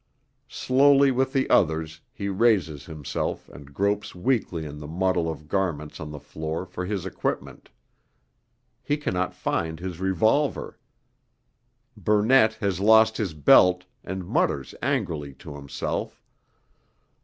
Slowly with the others he raises himself and gropes weakly in the muddle of garments on the floor for his equipment. He cannot find his revolver. Burnett has lost his belt, and mutters angrily to himself.